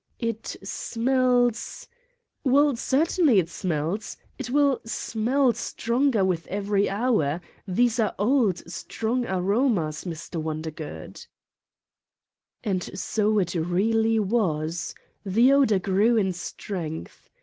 "It smells " "Well, certainly it smells! It will smell 45 Satan's Diary stronger with, every hour: these are old, strong aromas, Mr. Wondergood. '' And so it really was : the odor grew in strength.